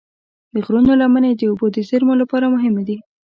د غرونو لمنې د اوبو د زیرمو لپاره مهمې دي.